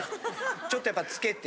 ちょっとやっぱつけて。